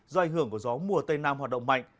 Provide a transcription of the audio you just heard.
do ảnh hưởng của gió mùa tây nam hoạt động mạnh